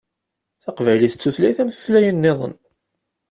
Taqbaylit d tutlayt am tutlayin-nniḍen.